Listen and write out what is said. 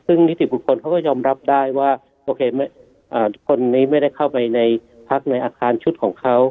ซึ่งนิติบุคคลเขาก็ยอมรับได้ว่าโอเคคนนี้ไม่ได้เข้าไปในพักในอาคารชุดของเขา